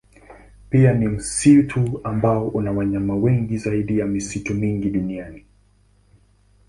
Pia ni msitu ambao una wanyama wengi zaidi ya misitu mingine duniani.